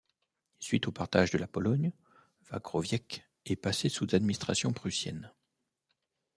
Suite aux partages de la Pologne, Wągrowiec est passée sous administration prussienne.